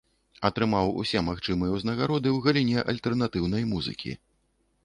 Атрымаў усе магчымыя ўзнагароды ў галіне альтэрнатыўнай музыкі.